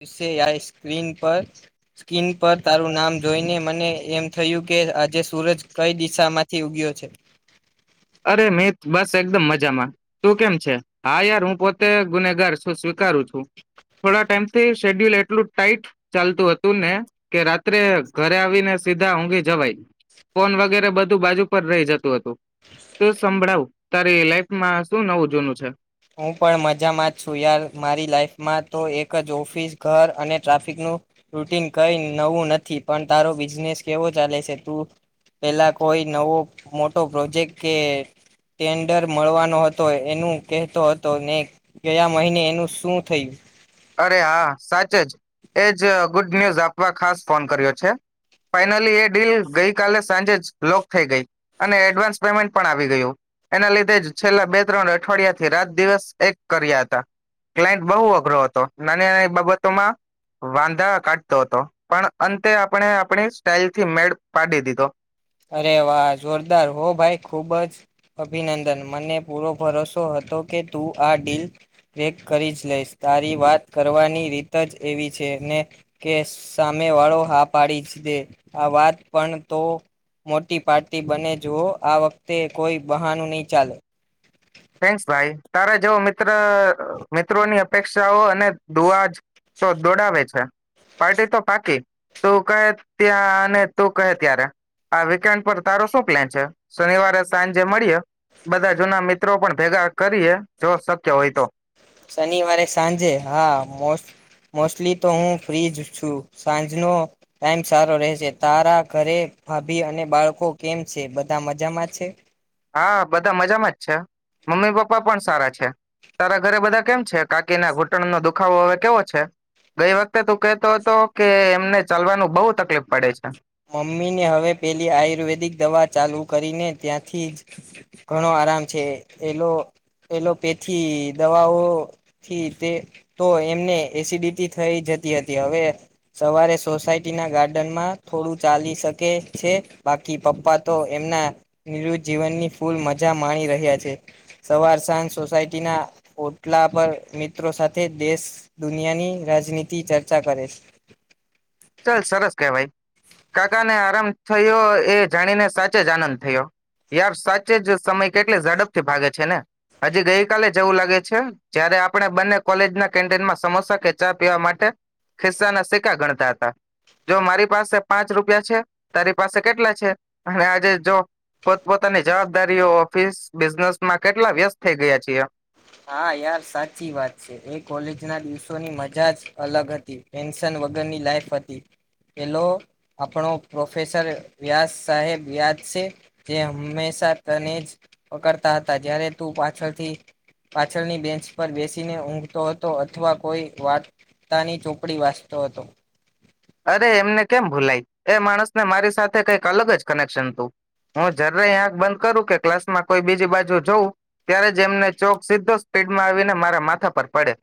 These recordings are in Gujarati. વિસે આયા સ્ક્રીન પર સ્કીિન પર તારું નામ જોઈને મને એમ થયું કે આજે સૂરજ કઈ દિશામાંથી ઉગ્યો છે [inaudible] અરે મીટ બસ એકદમ મજામાં તું કેમ છે હા યાર હું પો ગુનેગારું સ્વીકારું છું થોડા ટાઈમ થી શેડ્યુલ એટલું ટાઈટ ચાલતું હતું ને કે રાત્રે ઘરે આવીને સીધા ઊંઘી જવાય ફોન વગેરે બધું બાજુ પર રહી જતું હતું તો સંભળાવ તારે લાઈફમાં શું નવું જૂનું છે હું પણ મજામાં જ છું યાર મારી લાઈફમાં તો એક જ ઓફિસ ઘર અને ટ્રાફિકનું રૂટન કઈ નવું નથી પણ તારો બિઝનેસ કેવો ચાલે છે તું પેલા કોઈ નવો મોટો પ્રોજેક્ટ કે ટેન્ડર મળવાનો હતો એનું કહેતો હતો ને ગયા મહિને એનું શું થયું અરે હા સાચ એજ ગ ન્યુઝ આપવા ખાસ ફોન કર્યો છે ફાઈનલી એ ડીલ ગઈકાલે સાંજે જ લોક થઈ ગઈ અને એડવાન્સ પેમેન્ટ પણ આવી ગયું એના લીધે જ છેલ્લા બે ત્રણ અઠવાડિયા થી રાત દિવસ એક કર્યા હતા ક્લાયન્ટ બહુ અઘરો હતો. નાની નાની બાબતોમાં વાંધા કાઢતો હતો પણ અંતે આપણે આપણી સ્ટાઇલ થી મેળ પાડી દીધો. અરે વાહ જોરદાર હો ભાઈ ખુબ જ અભિનંદન મને પૂરો ભરોસો હતો કે તું આ ડીલ ક્રેક કરી જ લઈશ તારી વાત કરવાની રીત જ એવી છે ને કે સામે વાળો હા પાડી જ દે આ વાત પણ તો.. મોટી પાર્ટી બને જુવઓ આ વખતે કોઈ.. બહાનું નહી ચાલે. થેન્ક્સ ભાઈ તારા જેવો મિત્ર મિત્રોની અપેક્ષાઓ અને દુઆ જ તો દોડાવે છે પાર્ટી તો પાકી તું કહે ત્યાં અને તું કહે ત્યારે આ વીકેન્ડ પર તારો શુ પ્લાન છે શનિવારે સાંજે મળીએ. બધા જૂના મિત્ર.. મિત્રો પણ ભેગા કરીએ જો શક્ય હોય તો શનિવારે સાંજે હા મોસ્ટલી તો હું ફ્રી જ છું સાંજનો ટાઈમ સારો રહેશે તારા ઘરે ભાભી અને બાળકો કેમ છે બધા મજામાં છે. હા બધા મજામાં જ છે મમ્મી પપ્પા પણ સારા છે તારા ઘરે બધા.. કેમ છે કાકીના ઘૂંટણ નો દુખાવો હવે કેવો છે ગઈ વખતે તું કેતો હતો કે એમને ચાલવાનું બહુ તકલીફ પડે છે. મમ્મી ને હવે પેલી આયુર્વેદિક દવા ચાલુ કરીને ત્યાંથી જ ઘણો આરામ છે એલો એલોપેથી દવાઓથી તે તો એમને એસિડિટી થઈ જતી હતી હવે સવારે સોસાયટીના ગાર્ડનમાં.. થોડું ચાલી શકે છે બાકી પપ્પા તો એમના નિજી જીવનની ફૂલ મજા માણી રહ્યા છે સવાર સાંજ સોસાયટીના ઓટલા પર મિત્રો સાથે દેશ દુનિયાની રાજનીતિ ચર્ચા કરે છે. ચાલ સરસ કેવાય કાકા ને આરામ થયો એ જાણીને સાચે જ આનંદ થયો યાર સાચે જ સમય કેટલી ઝડપથી ભાગે છે ને હજી ગઈ કલે જવું લાગે છે જયારે આપણે બંને કોલેજના કેન્ટીનમાં સમોસા કે ચા પીવા માટે ખિસ્સાના સિક્કા ગણતા હતા. જો મારી પાસે પાંચ રૂપિયા છે તારી પાસે કેટલા છે અને આજે જો પોતપોતાની જવાબદારીઓ ઓફિસ બિઝનેસ માં કેટલા વ્યસ્ત થઈ ગયા છીએ. હા યાર સાચી વાત છે એ કોલેજના દિવસોની મજા જ અલગ હતી ટેન્શન વગરની લાઈફ હતી પેલો આપણો પ્રોફેસર વ્યાસ સાહેબ યાદ છે જે હંમેશા તને જ પકડતા હતા જયારે તું પાછળથી.. પાછળની બેન્ચ પર બેસીને ઊંઘતો હતો અથવા કોઈ વાર્તાની ચોપડી વાંચતો હતો. અરે એમ કેમ ભૂલાય એ માણસને મારી સાથે કઈક અલગ જ કનેક્શન હતું હું જ્યારે આ બંધ કરું કે ક્લાસમાં કોઈ બીજી બાજુ જોઉં ત્યારે જ એમને ચોક સીધો સ્પીડમાં આવીને મારા માથા પર પડે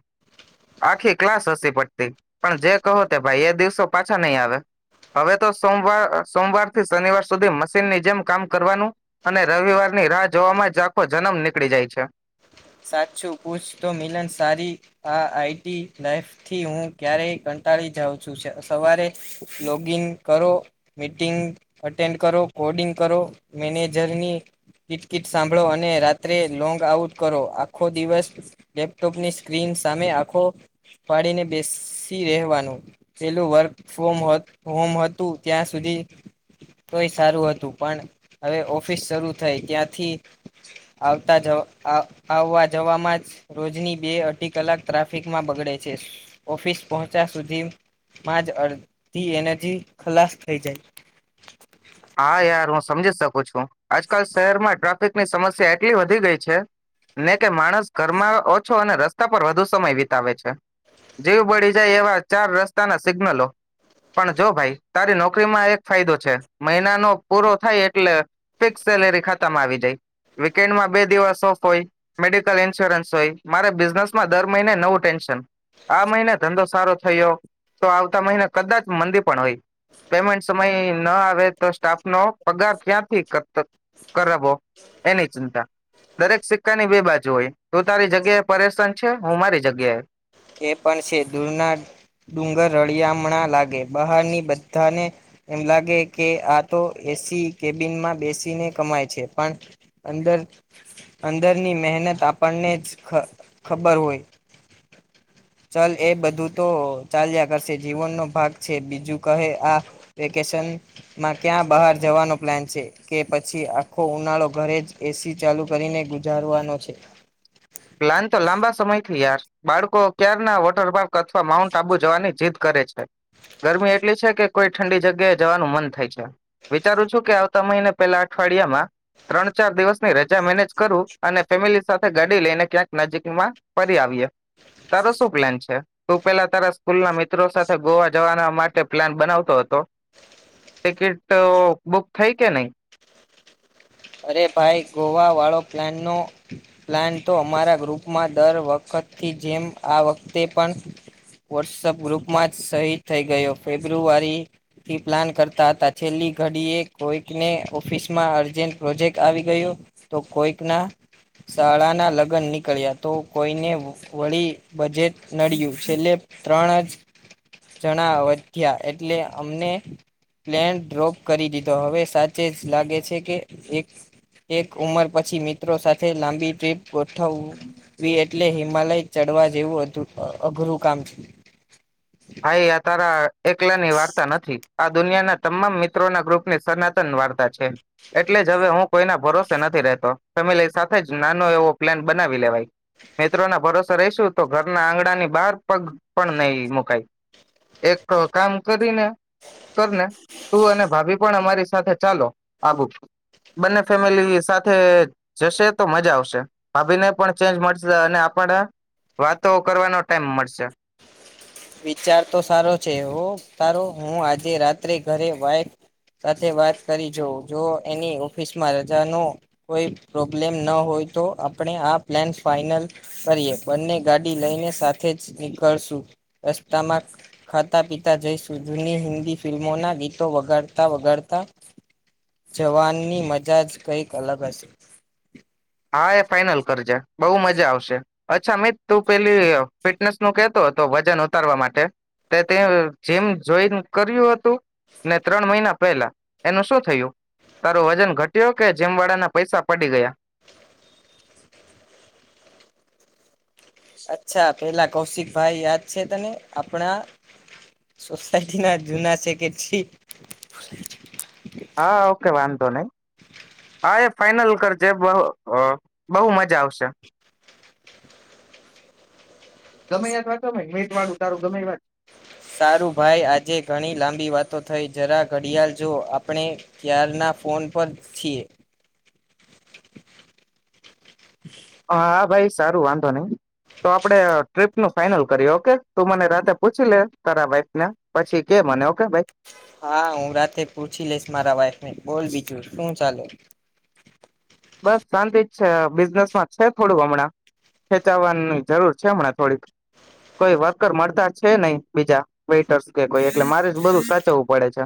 આખી ક્લાસ હસી પડતી પણ જે કહો તે ભાઈ એ દિવસો.. પાછા નહીં આવે હવે તો સોવાર સોમવારથી શનિવાર સુધી મશીનની જેમ કામ કરવાનું અને રવિવારની રાહ જોવામાં જ આખો જન્મ નીકળી જાય છે. સાચું પૂછ તો મિલન સારી આ આઈટી લાઈફથી હું ક્યારેય કંટાળી જાઉં. શું છે સવારે [inaudible] લોૉગઇન કરો મીટિંગ અટેન્ડ કરો કોડિંગ કરો મેનેજરની કિટકિટ સાંભળો અને રાત્રે લોંગ આઉટ.. કરો આખો દિવસ લેપટોપની સ્ક્રીન સામે આખો ફાડીને બેસી રહેવાનું પેલું વર્ક ફોમ હોમ હતું ત્યાં સુધી તોય સારું હતું પણ હવે ઓફિસ શરૂ થઈ ત્યાંથી આવતા જવા.. આવવા જવામાં જ રોજની બે અઢી કલાક ટ્રાફિકમાં બગડે છે ઓફિસ પહોંચ્યા સુધીમાં જ અડધી એનર્જી ખલાસ થઈ જાય. હા યાર હું સમજી શકું છું આજકાલ શહેરમાં ટ્રાફિકની સમસ્યા એટલી વધી ગઈ છે ને કે માણસ ઘરમાં ઓછો અને રસ્તા પર વધુ સમય વિતાવે છે જીવ બળી જાય એવા ચાર રસ્તાના સિગ્નલો પણ જો ભાઈ તારી નોકરીમાં એક ફાયદો છે. મહિનાનો પૂરો થાય એટલે ફિક્સ સેલેરી ખાતામાં આવી જાય, વીકેન્ડમાં બે દિવસ ઓફ હોય, મેડિકલ ઈન્સ્યોરન્સ હોય, મારે બિઝનેસમાં દર મહિને નવું ટેન્શન, આ મહિને ધંધો સારો થયો, તો આવતા મહિને કદાચ મંદી પણ હોય, પેમેન્ટ સમય ન આવે. સ્ટાફનો પગાર ક્યાંથી કરો, કરાવો એની ચિંતા, દરેક સિક્કાની બે બાજુ હોય, તું તારી જગ્યા એ પરેશાન છે, હું મારી જગ્યાએ.. એ પણ છે. દૂરના ડુંગર રળિયામણા લાગે. બહારની બધાને એમ લાગે કે આ તો એસી કેબિનમાં બેસીને કમાય છે, પણ અંદર અંદરની મહેનત આપણને જ ખબર હોય. ચલ એ બધું તો ચાલ્યા કરશે, જીવનનો ભાગ છે, બીજું કહે આ વેકેશનમાં ક્યાં બહાર જવાનો પ્લાન છે, કે પછી આખો ઉનાળો ઘરે જ એસી ચાલુ કરીને ગુજારવાનો છે? પ્લાન તો લાંબા સમય થી યાર, બાળકો ક્યાર ના વોટર પાર્ક અથવા માઉન્ટ આબુ જવાની જીદ કરે છે. ગરમી એટલી છે કે કોઈ ઠંડી જગ્યાએ જવાનું મન થાય છે, વિચારું છું કે આવતા મહિને પેલા અઠવાડિયામાં ત્રણ ચાર દિવસ ને રજા મેનેજ કરું અને ફેમિલી સાથે ગાડી લઈને ક્યાંક નજીકમાં ફરી આવીએ. તારો શું પ્લાન છે, તું પેલા સ્કૂલ ના મિત્રો સાથે ગોવા જવાના માટે પ્લાન બનાવતો હતો ટિકિટઓ બુક થઈ? કે નઈ? અરે ભાઈ ગોવા વાળો પ્લાનનો પ્લાન તો અમારા ગ્રુપમાં દર વખતથી જેમ આ વખતે પણ વોટ્સપ ગ્રુપમાં જ શહીદ થઈ ગયો ફેબ્રુઆરીથી પ્લાન કરતા હતા છેલ્લી ઘડીએ કોઈકને ઓફિસમાં અર્જન્ટ પ્રોજેક્ટ આવી ગયો તો કોઈકના શાળાના લગ્ન નીકળ્યા તો કોઈને વળી બજેટ નડ્યું છેલ્લે. ત્રણ જ. જણા વધ્યા એટલે અમને પ્લેન ડ્રોપ કરી દીધો હવે સાચે જ લાગે છે કે એક એક ઉંમર પછી મિત્રો સાથે લાંબી ટ્રીપ ગોઠવવી એટલે હિમાલય ચડવા જેવું અઘરું કામ છે હાઈ આ તાર એકલા ની વાર્તા નથી આ દુનિયાના તમામ મિત્રોના ગ્રુપની સનાતન વાર્તા છે એટલે જ હવે હું કોઈના ભરોસે નથી રહેતો ફેમિલી સાથે જ નાનો એવો પ્લાન બનાવી લેવાય મિત્રોના ભરોસે રહીશું તો ઘરના આંગણાની બહાર પગ પણ નહી મુકઈ. એક કામ કરીને કરને તું અને ભાભી પણ અમારી સાથે ચાલો આબુ બંને ફેમિલી સાથે જશે તો મજા આવશે ભાભી ને પણ ચેન્જ મળશે અને આપને વાતો કરવાનો ટાઈમ મળશે. વિચાર તો સારો છે, હો તારો હું આજે રાત્રે ઘરે વાઈક સાથે વાત કરી જાઉં જો એની ઓફિસમાં રજાનો કોઈ પ્રોબ્લેમ ન હોય તો આપણે આ પ્લાન ફાઈનલ કરીએ બંને ગાડી લઈને સાથે જ નીકળશું. રસ્તામાં ખાતા પીતા જય સુધુની હિન્દી ફિલ્મોના ગીતો વગાડતા વગાડતા જવાનની મજા જ કંઈક અલગ હશે. હા એ ફાઈનલ કરજે બહુ મજા આવશે અચ્છા મ તું પેલી ફિટનેસ નું કેતો હતો વજન ઉતારવા માટે તે તે જીમ જોઈન કર્યું હતું ને ત્રણ મહિના પહેલા એનું શું થયું તારો વજન ઘટયો કે જીમ વાળાના પૈસા પડી ગયા અચ્છા પેલા કૌશિક ભાઈ યાદ છે, તને આપણા સોસાય ના જુના શેકે છે [inaudible] હા ઓકે વાંધો નહી હા ફાઈનલ કરજે બ અ બહુ મજા આવશે સે ગમે એ કર સારું ભાઈ, આજે ઘણી લાંબી વાતો થઈ જરા ઘડિયાળ જો આપણે ક્યારના ફોન પર છીએ હા, ભાઈ સારું વાંધો નઈ. તો આપડે ટ્રીપ નું ફાઈનલ કરી ઓકે તું મને રાતે પૂછી લે તારા વાઈફ ને પછી કે મને ઓકે ભાઈ હા, હું રાતે પૂછી લઈશ મારા વાઈફને, બોલ બીજું શું ચાલે? બસ શાંતિ જ છે બિઝનેસમાં છે થોડુંક હમણાં ખેચાવાની જરૂર છે હમણાં થોડીક કોઈ વર્કર મળતા છે નહી બીજા વેટર્સ કે કોઈ એટલે મારે જ બધું સાચવવું પડે છે.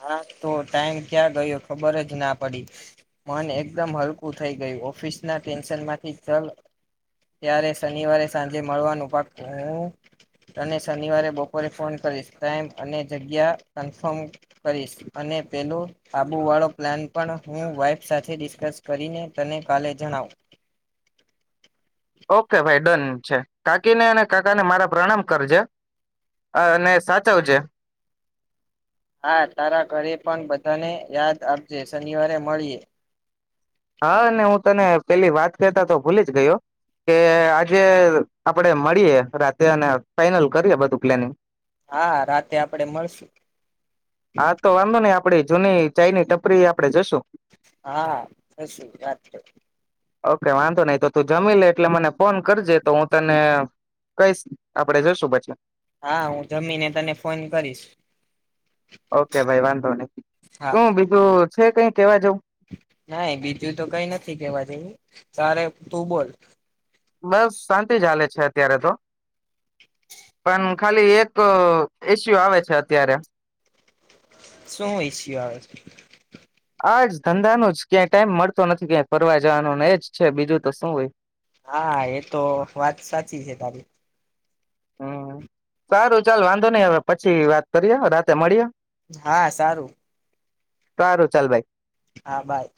હા, તો ટાઈમ ક્યાં ગયો ખબરજ ના પડી, મન એકદમ હલકું થઈ ગયું, ઓફિસ ના ટેન્શનમાંથી ચલ ત્યારે શનિવારે સાંજે મળવાનું પાકુ. હું તને શનિવારે બપોરે ફોન કરીશ, ટાઈમ અને જગ્યા કન્ફમ કરીશ અને પેલું આબુ વાળો પ્લાન પણ હું વાઈફ સાથે ડિસ્કસ કરીને તને કાલે જણાવ. ઓકે ભાઈ ડન છે. કાકીને અને કાકાને મારા પ્રણામ કરજે, અને સાચવજે. હા, તારા ઘરે પણ બધાને યાદ આપજે, શનિવારે મળીએ. હા, ને હું તને પેલી વાત કેહતો તો ભૂલીજ ગયો, કે આજે આપડે મળીએે રાતે અને ફાઈનલ કરીએ બધું પ્લાનિંગ. હા, રાતે આપડે મળશું. હા તો વાંધો નહી આપડી જૂની ચાયની ટપરી આપડે જોશું. હા, થશું વાત કર ઓકે વાંધો નઈ, તો તું જમી લે એટલે મને ફોન કરજે તો હું તને, કઈશ આપડે જશું પછી. હા, હું જમીને તને ફોન કરીશ. ઓકે ભાઈ વાંધો નઈ, હા શું બીજું? છે કઈ કેવા જઉં? ના બીજું તો કઈ નથી કેવા જેવું, તારે તું બોલ. બસ શાંતિ ચાલે છે અત્યારે તો. પણ. ખાલી એક અ ઇસ્યુ આવે છે અત્યારે. શું ઇસ્યુ આવે છે. આજ ધંધાનો જ ક્યાંય ટાઈમ મળતો નથી બેન ફરવા જવાનુંને એજ છે બીજું તો શું હોય. હા એ તો વાત સાચી છે તારી. હમ્મ સારું ચાલ વાંધો નઈ હવે પછી વાત કરીએ રાતે મળીએ. હા સારું. સારું ચાલ ભાઈ. હા ભાઈ.